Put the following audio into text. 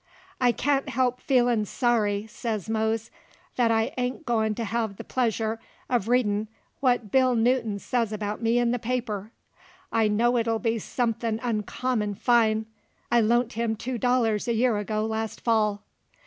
"I can't help feelin' sorry," sez Mose, "that I ain't goin' to hev the pleasure uv readin' what Bill Newton sez about me in the paper. I know it'll be sumthin' uncommon fine; I loant him two dollars a year ago last fall."